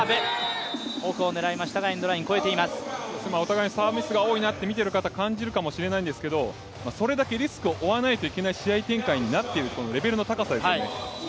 お互いにサーブミス多いなと見ている方感じると思うんですけどそれだけリスクを負わないといけない試合展開になっているというレベルの高さですよね。